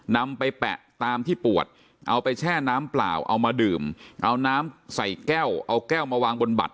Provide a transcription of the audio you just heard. นำไปแปะตามที่ปวดเอาไปแช่น้ำเปล่าเอามาดื่มเอาน้ำใส่แก้วเอาแก้วมาวางบนบัตร